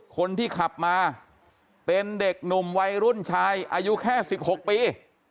คนที่ขับมาเป็นเด็กหนุ่มวัยรุ่นชายอายุแค่๑๖ปี